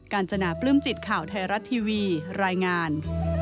ญจนาปลื้มจิตข่าวไทยรัฐทีวีรายงาน